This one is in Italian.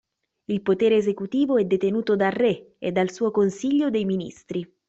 Il potere esecutivo è detenuto dal re e dal suo consiglio dei ministri.